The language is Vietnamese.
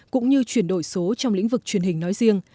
cũng như chuyển đổi số trong lĩnh vực truyền hình nói riêng